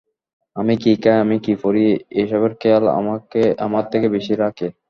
আমি কী খাই, আমি কী পরি, এসবের খেয়াল আমার থেকে বেশি রাখে।